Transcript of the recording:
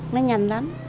nó nhanh lắm